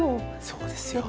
そうですよ。